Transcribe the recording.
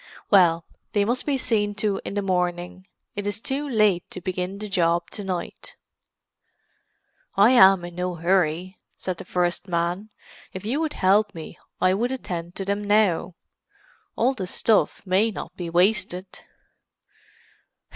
Well, they must be seen to in the morning; it is too late to begin the job to night." "I am in no hurry," said the first man. "If you would help me I would attend to them now. All the stuff may not be wasted."